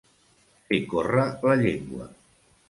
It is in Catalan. Fer córrer la llengua.